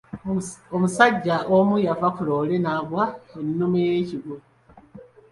Omusajja omu yava ku loole n'aggwa ennume y'ekigwo.